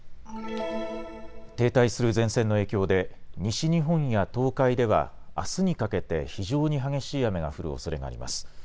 停滞する前線の影響で西日本や東海では、あすにかけて非常に激しい雨が降るおそれがあります。